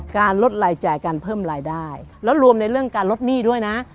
การลดรายจ่ายการเพิ่มรายได้แล้วรวมในเรื่องการลดหนี้ด้วยนะ